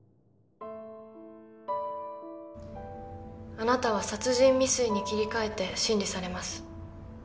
あなたは殺人未遂に切り替えて審理されます